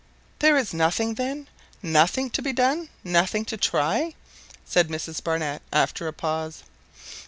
"There is, then, nothing to be done? Nothing to try?" said Mrs Barnett after a pause.